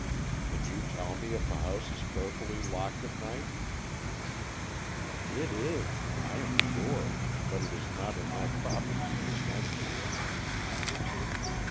"Can you tell me if the house is carefully locked at night?" "It is, I am sure; but it is not in my province to attend to it."